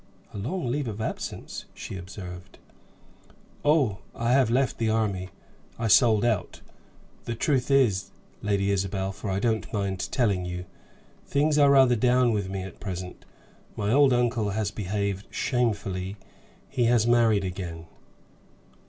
"A long leave of absence," she observed. "Oh, I have left the army. I sold out. The truth is, Lady Isabel for I don't mind telling you things are rather down with me at present. My old uncle has behaved shamefully; he has married again."